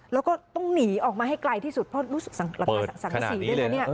แล้วก็ต้องหนีออกมาให้ไกลที่สุดเพราะรู้สึกสังกษีด้วยนะเนี่ย